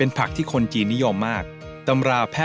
โลกรัมละเท่าไร